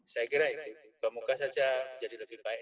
saya kira itu kemungkinan saja menjadi lebih baik